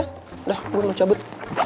udah gue mau cabut